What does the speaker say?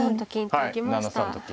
はい７三と金。